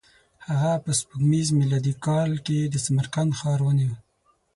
هغه په سپوږمیز میلادي کال کې د سمرقند ښار ونیو.